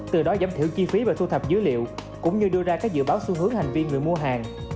từ đó giảm thiểu chi phí và thu thập dữ liệu cũng như đưa ra các dự báo xu hướng hành vi người mua hàng